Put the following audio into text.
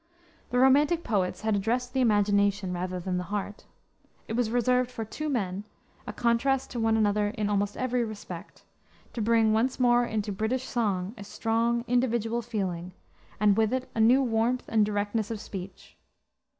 The romantic poets had addressed the imagination rather than the heart. It was reserved for two men a contrast to one another in almost every respect to bring once more into British song a strong individual feeling, and with it a new warmth and directness of speech.